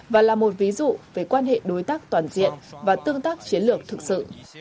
và là một ví dụ về quan hệ đối tác toàn diện và tương tác chiến lược thực sự